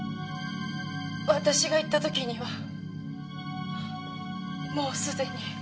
私が行った時にはもうすでに。